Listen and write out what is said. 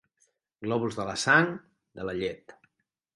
Glòbuls de la sang, de la llet.